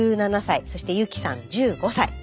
１７歳そして悠稀さん１５歳。